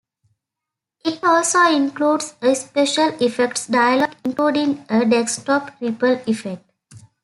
It also includes a special effects dialog, including a desktop 'ripple' effect.